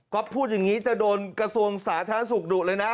ก็พูดอย่างนี้จะโดนกระทรวงสาธารณสุขดุเลยนะ